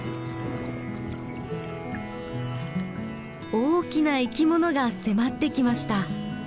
大きな生きものが迫ってきました。